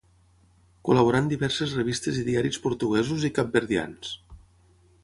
Col·laborà en diverses revistes i diaris portuguesos i capverdians.